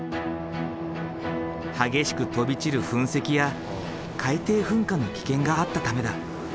激しく飛び散る噴石や海底噴火の危険があったためだ。